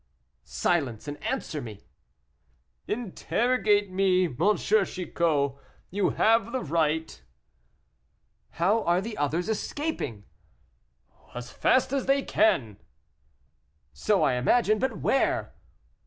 "Silence, and answer me." "Interrogate me, M. Chicot; you have the right." "How are the others escaping?" "As fast as they can." "So I imagine; but where?"